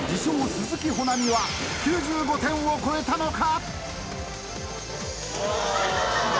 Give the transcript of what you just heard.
鈴木保奈美は９５点を超えたのか？